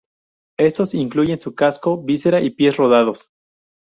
Estos incluyen su casco, visera, y pies rodados.